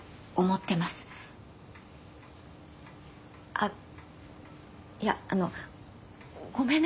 あっいやあのごめんなさい。